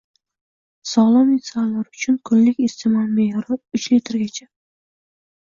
Sogʻlom insonlar uchun kunlik isteʼmol meʼyori uch litrgacha.